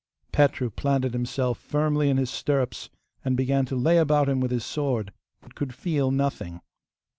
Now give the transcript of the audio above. Petru planted himself firmly in his stirrups, and began to lay about him with his sword, but could feel nothing.